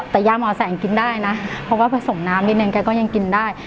แต่ยาหมอแสงกินได้นะเพราะว่าผสมน้ำนิดนึงแกก็ยังกินได้